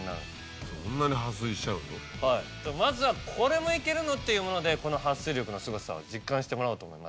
はいまずはこれもいけるの？っていうものでこの撥水力のすごさを実感してもらおうと思います。